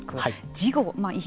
事後